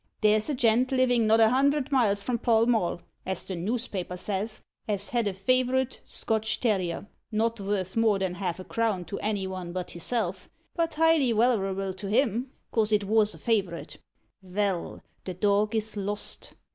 There's a gent livin' not a hundred miles from Pall Mall, as the noospapers says, as had a favourite Scotch terrier, not worth more nor half a crown to any one but hisself, but highly wallerable to him, 'cos it wos a favourite. Vell, the dog is lost.